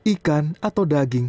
ikan atau daging